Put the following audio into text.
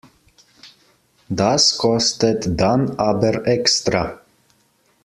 Das kostet dann aber extra.